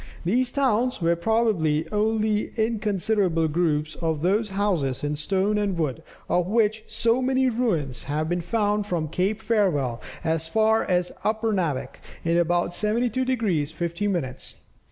These towns were probably only inconsiderable groups of those houses in stone and wood, of which so many ruins have been found from Cape Farewell, as far as Upernavik in about 72 degrees 50 minutes.